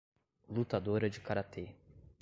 Lutadora de karatê